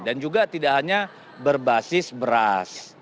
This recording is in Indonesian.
dan juga tidak hanya berbasis beras